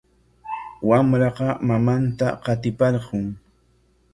Wamraqa mamantam qatiparqun.